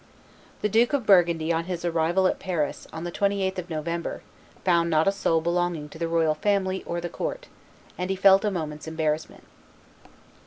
The Duke of Burgundy on his arrival at Paris, on the 28th of November, found not a soul belonging to the royal family or the court; and he felt a moment's embarrassment.